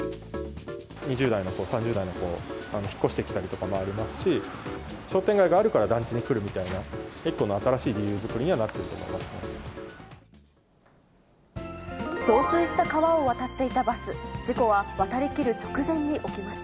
２０代や３０代の子が引っ越してきたりとかもありますし、商店街があるから団地に来るみたいな、一つの新しい理由作りにはなっていると思います。